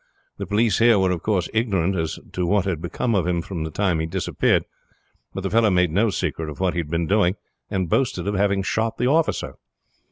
The police here were of course ignorant as to what had become of him from the time he disappeared; but the fellow made no secret of what he had been doing, and boasted of having shot the officer.